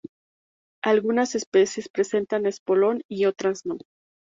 Algunas especies presentan espolón y otras no.